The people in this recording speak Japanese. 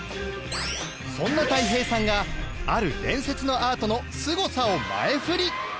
そんなたい平さんがある伝説のアートのすごさを前フリ